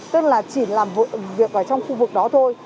tức là chỉ làm hội việc ở trong khu vực đó thôi